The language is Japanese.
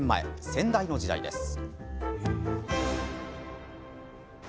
先代の時代です。